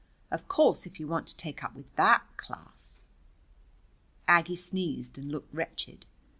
Of course, if you want to take up with that class " Aggie sneezed and looked wretched.